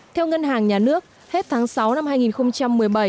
theo ngân hàng nhà nước hết tháng sáu năm hai nghìn một mươi bảy